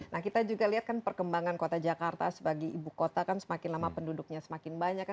nah kita juga lihat kan perkembangan kota jakarta sebagai ibu kota kan semakin lama penduduknya semakin banyak kan